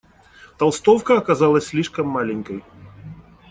Толстовка казалась слишком маленькой.